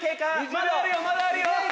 「まだあるよまだあるよ」